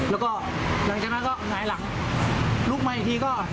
แล้วก็หลังจากนั้นก็หายหลังลูกมายอีกนิดนิดนาดี